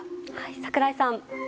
櫻井さん。